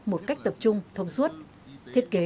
một cách tập trung thông suốt thiết kế